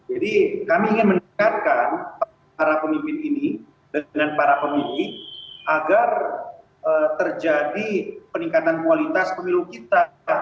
jadi kami ingin meningkatkan para pemimpin ini dengan para pemilih agar terjadi peningkatan kualitas pemilu kita